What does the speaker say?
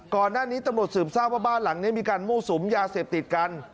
ก่อนหน้านี้ตำรวจสืบทราบว่าบ้านหลังนี้มีการมั่วสุมยาเสพติดกัน